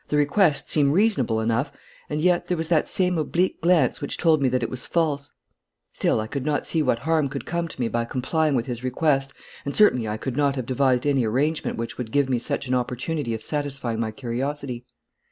The request seemed reasonable enough, and yet there was that same oblique glance which told me that it was false. Still, I could not see what harm could come to me by complying with his request, and certainly I could not have devised any arrangement which would give me such an opportunity of satisfying my curiosity.